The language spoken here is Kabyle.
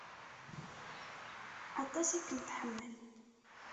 Aṭas i kem-tḥemmel.